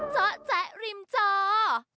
เจ้าแจ๊ะริมเจ้า